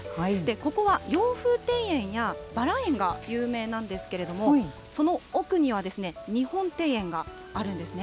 ここは洋風庭園やバラ園が有名なんですけれども、その奥には、日本庭園があるんですね。